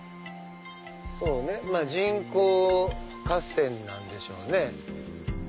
そうねまぁ人工河川なんでしょうね。